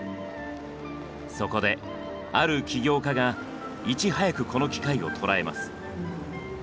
そこである起業家がいち早くこの機会を捉えます。